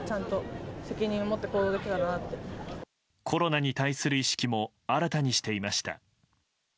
コロナに対する意識も新たにしていました。